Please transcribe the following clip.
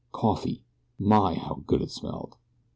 Coffee! My, how good it smelled.